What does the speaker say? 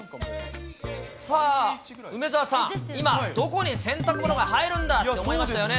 さあ、梅澤さん、今、どこに洗濯物が入るんだって思いましたよね。